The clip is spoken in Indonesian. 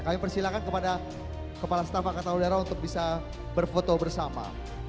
kami persilahkan kepada kepala staf angkatan udara untuk bisa berfoto bersama